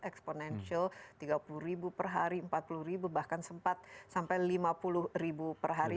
exponantial tiga puluh ribu per hari empat puluh ribu bahkan sempat sampai lima puluh ribu per hari